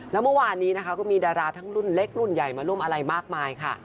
แล้วเมื่อวานนี้นะคะก็มีดาราทั้งรุ่นเล็กรุ่นใหญ่มาร่วมอะไรมากมายค่ะ